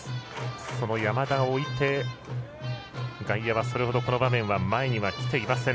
その山田を置いて外野はこの場面では前には来ていません。